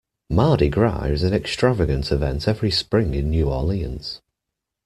Mardi Gras is an extravagant event every spring in New Orleans.